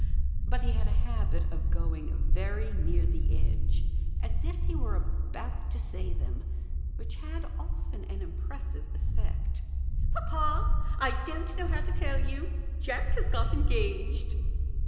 But he had a habit of going very near the edge, as if he were about to say them, which had often an impressive effect. " Papa I don't know how to tell you Jack has got engaged."